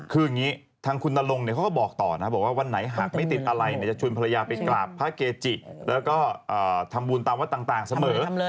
คืออย่างนี้ทางคุณนรงเขาก็บอกต่อนะบอกว่าวันไหนหากไม่ติดอะไรจะชวนภรรยาไปกราบพระเกจิแล้วก็ทำบุญตามวัดต่างเสมอ